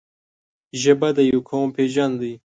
ژبه د یو قوم پېژند دی.